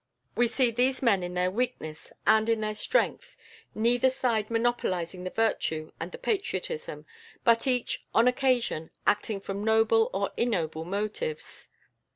We see these men in their weakness and in their strength, neither side monopolising the virtue and the patriotism, but each, on occasion, acting from noble or ignoble motives.